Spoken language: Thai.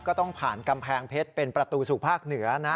ก็ต้องผ่านกำแพงเพชรเป็นประตูสู่ภาคเหนือนะ